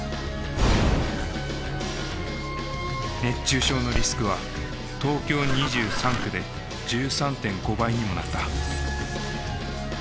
熱中症のリスクは東京２３区で１３．５倍にもなった。